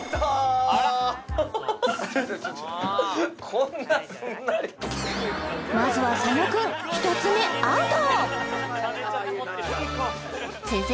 こんなすんなりまずは佐野君一つめアウト！